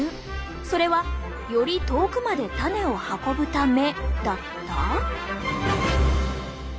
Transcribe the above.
それはより遠くまで種を運ぶためだった？